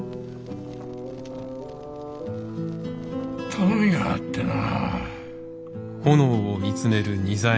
頼みがあってな。